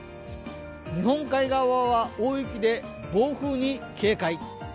日本海側は大雪で暴風に警戒。